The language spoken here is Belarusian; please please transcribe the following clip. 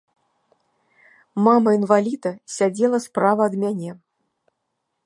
Мама інваліда сядзела справа ад мяне.